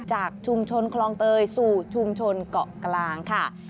จากชุมชนคลองเตยสู่ชุมชนเกาะกลางค่ะ